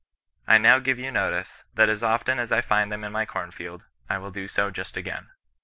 I now give you notice, that as often as I find them in my corn field, / will do just so again.